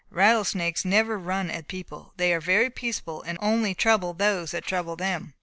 Rattle snakes never run at people. They are very peaceable and only trouble those that trouble them.